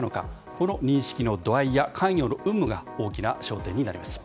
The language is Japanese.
この認識の度合いが関与の有無が大きな焦点になります。